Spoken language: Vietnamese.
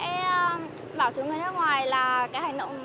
con nghĩ là con sẽ bảo chú người nước ngoài là cái hành động